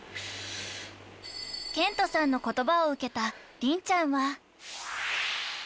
［ケントさんの言葉を受けた凛ちゃんは］